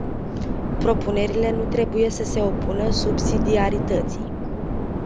Propunerile nu trebuie să se opună subsidiarității.